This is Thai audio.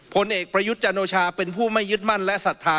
ผลเอกประยุทธ์จันโอชาเป็นผู้ไม่ยึดมั่นและศรัทธา